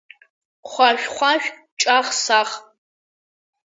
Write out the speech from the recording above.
Хәажә-хәажә, ҷах-сах.